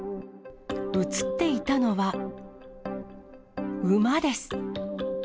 写っていたのは、馬です。